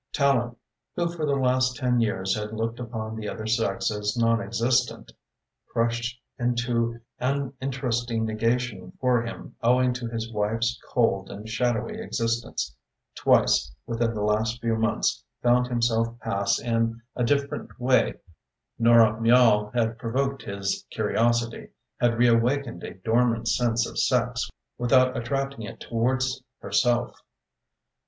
Tallente, who for the last ten years had looked upon the other sex as non existent, crushed into an uninteresting negation for him owing to his wife's cold and shadowy existence, twice within the last few months found himself pass in a different way under the greatest spell in life. Nora Miall had provoked his curiosity, had reawakened a dormant sense of sex without attracting it towards herself.